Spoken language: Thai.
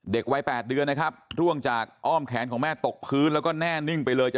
วัย๘เดือนนะครับร่วงจากอ้อมแขนของแม่ตกพื้นแล้วก็แน่นิ่งไปเลย